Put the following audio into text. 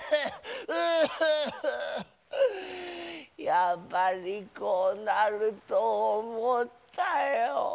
やっぱりこうなるとおもったよぉ。